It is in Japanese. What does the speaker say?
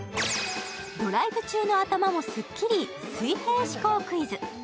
ドライブ中の頭もすっきり、水平思考クイズ。